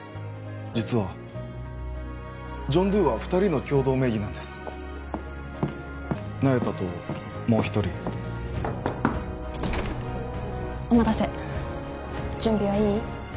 実はジョン・ドゥは２人の共同名義なんです那由他ともう一人お待たせ準備はいい？